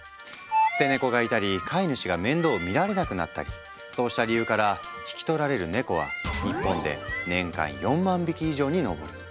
捨て猫がいたり飼い主が面倒を見られなくなったりそうした理由から引き取られるネコは日本で年間４万匹以上に上る。